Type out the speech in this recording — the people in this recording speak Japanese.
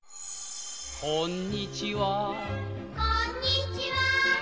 「こんにちはこんにちは」